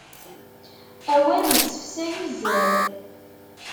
Awal isefsay uzzal.